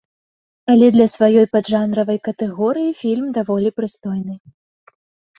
Але для сваёй паджанравай катэгорыі фільм даволі прыстойны.